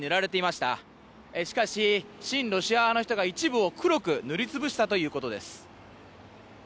しかし、親ロシア派の人が一部を黒く塗り潰したということです。